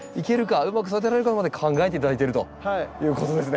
うまく育てられるかまで考えて頂いてるということですね。